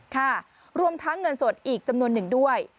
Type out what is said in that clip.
ค่ะรวมทั้งเงินสดอีกจำนวนหนึ่งด้วย